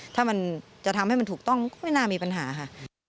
ถ้ามันจะทำให้มันถูกต้องก็ไม่น่ามีปัญหาค่ะ